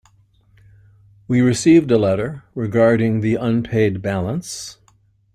We received a letter regarding the unpaid balance.